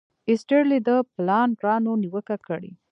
ایسټرلي د پلانرانو نیوکه کړې.